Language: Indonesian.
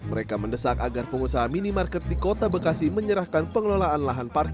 mereka mendesak agar pengusaha minimarket di kota bekasi menyerahkan pengelolaan lahan parkir